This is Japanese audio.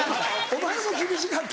お前も厳しかった？